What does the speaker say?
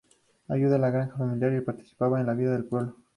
Ayudaba a la granja familiar y participaba en la vida del pueblo.